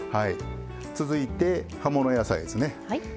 続いて葉物野菜ですね。